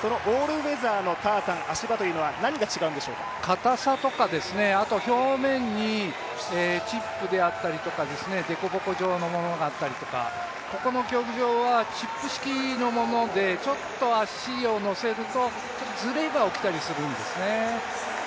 そのオールウェザーのタータン、足場というのは硬さとか、あと表面にチップであったりでこぼこ状のものが会ったりとか、ここの競技場はチップ式のものでちょっと足を乗せると、ずれが起きたりするんですね。